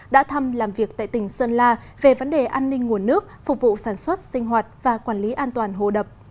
đã thăm làm việc tại tỉnh sơn la về vấn đề an ninh nguồn nước phục vụ sản xuất sinh hoạt và quản lý an toàn hồ đập